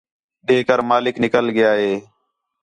ݙے کر مالک نِکل ڳِیا ہے